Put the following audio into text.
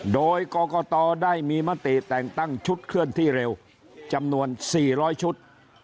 โดยกรกตได้มีมติแต่งตั้งชุดเคลื่อนที่เร็วจำนวน๔๐๐ชุด